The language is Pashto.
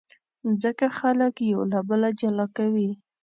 مځکه خلک یو له بله جلا کوي.